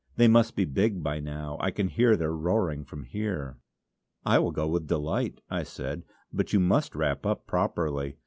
They must be big by now; I can hear their roaring from here." "I will go with delight;" I said "but you must wrap up properly.